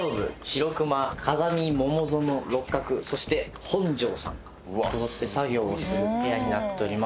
白熊風見桃園六角そして本庄さんがこぞって作業する部屋になっております。